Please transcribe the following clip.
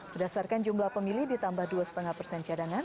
berdasarkan jumlah pemilih ditambah dua lima persen cadangan